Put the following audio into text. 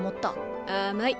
甘い！